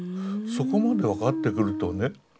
そこまで分かってくるとね